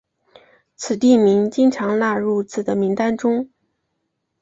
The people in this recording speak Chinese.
此地名经常纳入至的名单中。